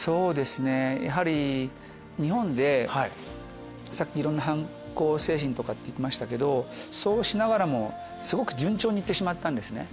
やはり日本でさっきいろんな反抗精神とか言ってましたけどそうしながらもすごく順調に行ってしまったんですね。